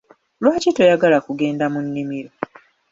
Lwaki toyagala kugenda mu nnimiro?